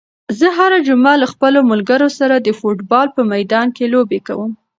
زه هره جمعه له خپلو ملګرو سره د فوټبال په میدان کې لوبې کوم.